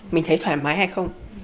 mình thấy thoải mái hay không